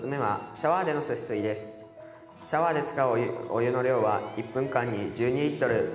シャワーで使うお湯の量は１分間に１２リットル。